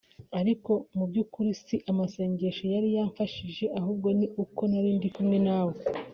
ariko mu by’ukuri si amasengesho yari yamfashije ahubwo ni uko nari ndi kumwe nawe